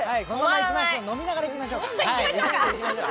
飲みながら行きましょうか。